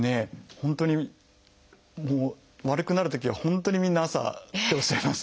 本当に悪くなるときは本当にみんな朝っておっしゃいますね。